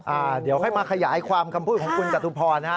เดี๋ยวค่อยมาขยายความคำพูดของคุณจตุพรนะฮะ